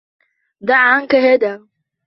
دع عنك هذا